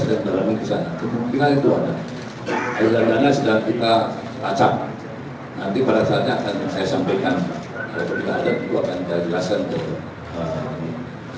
dan keputusan ataupun tugas yang sudah kita analisis dengan baik